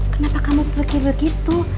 kenapa kamu begini begitu